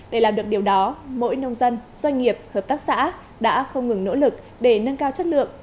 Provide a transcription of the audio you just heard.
để làm được điều đó mỗi nông dân doanh nghiệp hợp tác xã đã không ngừng nỗ lực để nâng cao chất lượng